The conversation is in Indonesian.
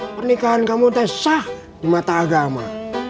pernikahan kamu tes di mata agama